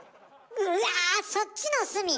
うわそっちの「すみ」？